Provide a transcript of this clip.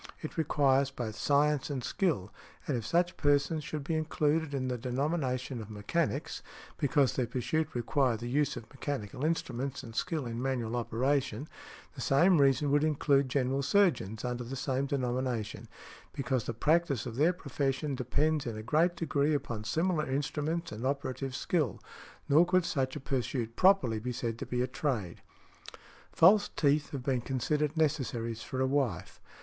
It requires both science and skill, and if such persons should be included in the denomination of 'mechanics,' because their pursuit required the use of mechanical instruments and skill in manual operation, the same reason would include general surgeons under the same denomination, because the |171| practice of their profession depends in a great degree upon similar instruments and operative skill; nor could such a pursuit properly be said to be a trade" . False teeth have been considered necessaries for a wife.